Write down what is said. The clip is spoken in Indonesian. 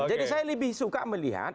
jadi saya lebih suka melihat